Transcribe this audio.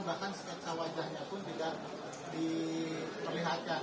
bahkan sketch nya wajahnya pun tidak diperlihatkan